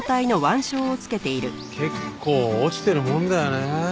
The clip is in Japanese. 結構落ちてるもんだよね。